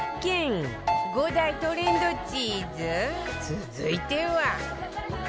続いては